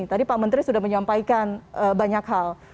tadi pak menteri sudah menyampaikan banyak hal